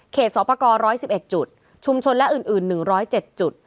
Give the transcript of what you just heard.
เขตสอปกรร์ร้อยสิบเอ็ดจุดชุมชนและอื่นอื่นหนึ่งร้อยเจ็ดจุด